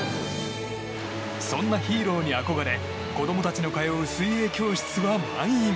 そんなヒーローに憧れ子供たちの通う水泳教室は満員。